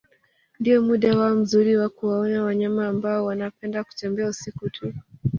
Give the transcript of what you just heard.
Ndio muda wao mzuri wa kuwaona wanyama ambao wanapenda kutembea usiku tu